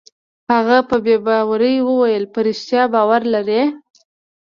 هغه په بې باورۍ وویل: په رښتیا باور لرې؟